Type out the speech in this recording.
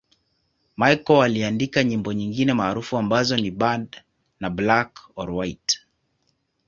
Michael aliandika nyimbo nyingine maarufu ambazo ni 'Bad' na 'Black or White'.